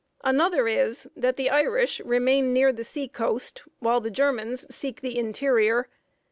Another is, that the Irish remain near the sea coast, while the Germans seek the interior.